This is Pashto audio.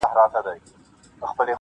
د مچانو او ډېوې یې سره څه,